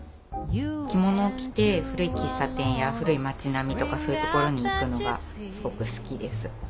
着物を着て古い喫茶店や古い町並みとかそういう所に行くのがすごく好きです。